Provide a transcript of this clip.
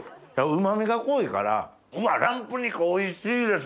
旨味が濃いからうわっランプ肉おいしいです。